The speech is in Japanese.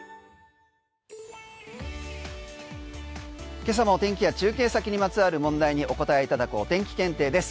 今朝の天気や中継先にまつわる問題にお答えいただくお天気検定です。